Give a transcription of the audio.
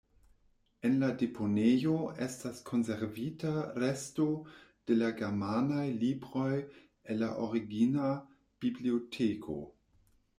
En la deponejo estas konservita resto de la germanaj libroj el la origina biblioteko.